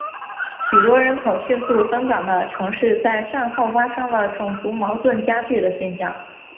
许多人口迅速增长的城市在战后发生了种族矛盾加剧的现象。